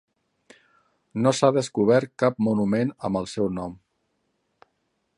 No s'ha descobert cap monument amb el seu nom.